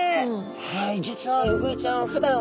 はい実はウグイちゃん